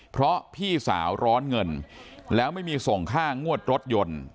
เพราะพี่สาวร้อนเงินแล้วไม่มีส่งค่างวดรถยนต์